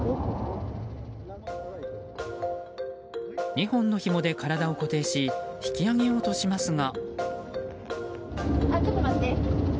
２本のひもで体を固定し引き上げようとしますが。